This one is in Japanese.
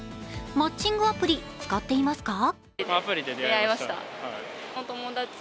マッチングアプリ、使っていますか？